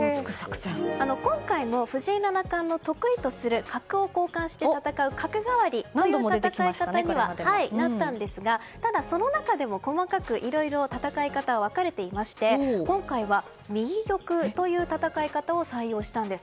今回も藤井七冠の得意とする角を交換して戦う角換わりという戦い方にはなったんですがただ、その中でも細かくいろいろ戦い方が分かれていまして今回は、右玉という戦い方を採用したんです。